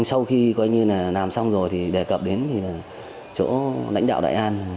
sau khi coi như là làm xong rồi thì đề cập đến thì chỗ lãnh đạo đại an